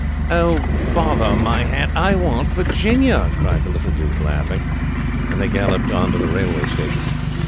"Oh, bother my hat! I want Virginia!" cried the little Duke, laughing, and they galloped on to the railway station.